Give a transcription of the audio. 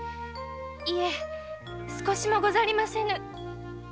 いえ少しもござりませぬ。